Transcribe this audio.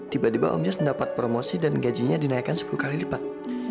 tiba tiba omset mendapat promosi dan gajinya dinaikkan sepuluh kali lipat